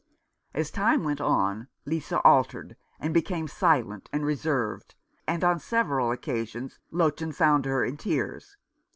As time went on, Lisa altered, and became silent and reserved, and on several occasions Lottchen found her in tears.